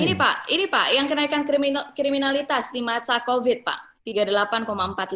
ini pak ini pak yang kenaikan kriminalitas di masa covid pak